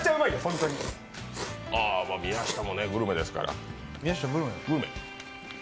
宮下もグルメですから。